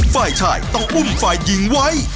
ฝ่ายชายต้องอุ้มฝ่ายหญิงไว้